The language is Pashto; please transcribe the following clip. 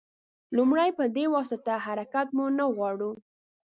لومړی په دې واسطه حرکت مو نه غواړو.